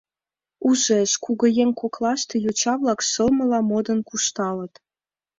Ужеш, кугыеҥ коклаште йоча-влак шылмыла модын куржталыт.